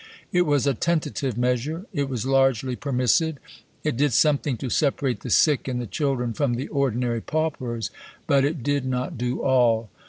It was a tentative measure; it was largely permissive; it did something to separate the sick and the children from the ordinary paupers, but it did not do all.